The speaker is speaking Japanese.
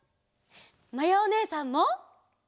まやおねえさんも！